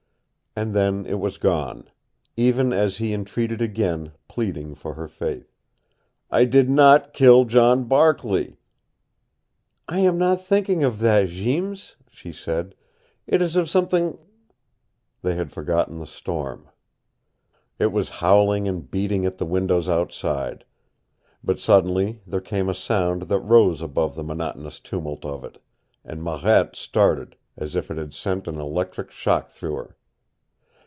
And then it was gone, even as he entreated again, pleading for her faith. "I did not kill John Barkley!" "I am not thinking of that, Jeems," she said. "It is of something " They had forgotten the storm. It was howling and beating at the windows outside. But suddenly there came a sound that rose above the monotonous tumult of it, and Marette started as if it had sent an electric shock through her.